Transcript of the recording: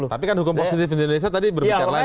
tapi kan hukum positif di an nisa tadi berbicara lain